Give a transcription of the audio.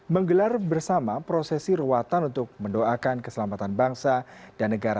menggelar bersama prosesi ruatan untuk mendoakan keselamatan bangsa dan negara